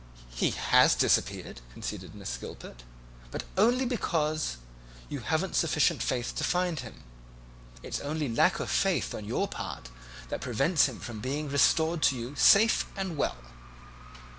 "He has disappeared," conceded Miss Gilpet, "but only because you haven't sufficient faith to find him. It's only lack of faith on your part that prevents him from being restored to you safe and well."